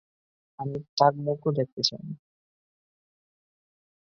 আমি তার মুখও দেখতে চাই না।